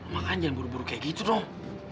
makan jangan buru buru kayak gitu dong